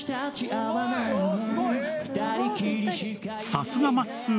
さすがまっすー